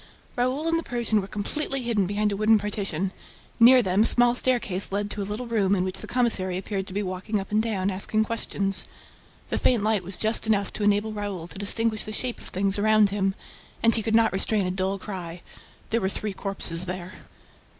Raoul and the Persian were completely hidden behind a wooden partition. Near them, a small staircase led to a little room in which the commissary appeared to be walking up and down, asking questions. The faint light was just enough to enable Raoul to distinguish the shape of things around him. And he could not restrain a dull cry: there were three corpses there.